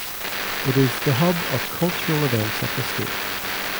It is the hub of cultural events of the state.